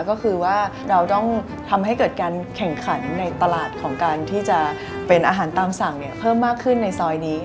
ก็คือว่าเราต้องทำให้เกิดการแข่งขันในตลาดของการที่จะเป็นอาหารตามสั่งเพิ่มมากขึ้นในซอยนี้